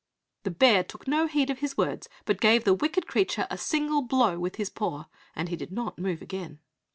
The bear took no heed of his words, but gave the wicked creature a single blow with his paw, and he did not move again.